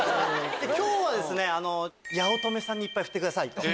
今日は八乙女さんにいっぱい振ってくださいと。